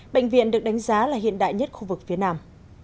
bệnh viện được đánh giá là hiện đại nhất khu vực phía nam